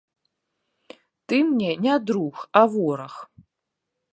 Ты мне не друг, а вораг.